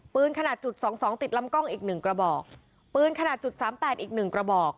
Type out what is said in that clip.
ขนาดจุดสองสองติดลำกล้องอีกหนึ่งกระบอกปืนขนาดจุดสามแปดอีกหนึ่งกระบอก